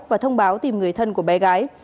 và thông báo tìm người thân của bé gái